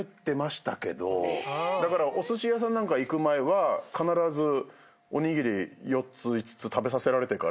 だからおすし屋さんなんか行く前は必ずおにぎり４つ５つ食べさせられてから。